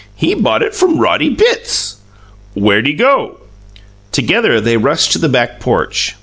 He bought it from Roddy Bitts!" "Where'd he go?" Together they rushed to the back porch.